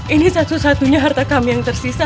ini satu satunya harta kami yang tersisa